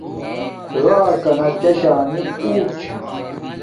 خوراکنا چاشامل اونٹ چھا۔